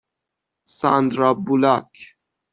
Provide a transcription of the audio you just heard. ساندرا بولاک